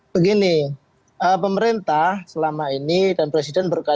begini pemerintah selama ini dan presiden berkali kali